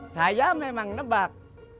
saya memang nebak